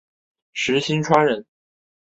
石星川人。